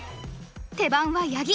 手番は八木。